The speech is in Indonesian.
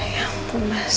ya ampun mas